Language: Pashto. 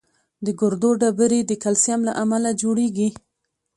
د ګردو ډبرې د کلسیم له امله جوړېږي.